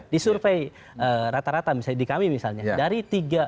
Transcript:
di survei rata rata misalnya di kami misalnya